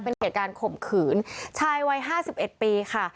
เป็นเหตุการณ์ข่มขืนชายวัยห้าสิบเอ็ดปีค่ะ